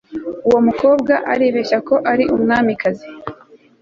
Uwo mukobwa aribeshya ko ari umwamikazi